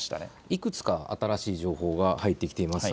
いくつか新しい情報が入ってきています。